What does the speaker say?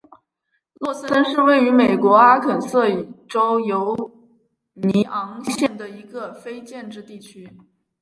洛森是位于美国阿肯色州犹尼昂县的一个非建制地区。